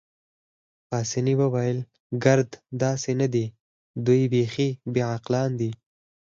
پاسیني وویل: ګرد داسې نه دي، دوی بیخي بې عقلان دي.